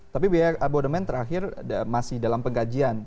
tapi biaya abodemen terakhir masih dalam pengkajian